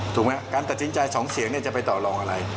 ถูกไหมการตัดสินใจ๒เสียงจะไปต่อลองอะไร